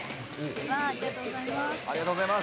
ありがとうございます。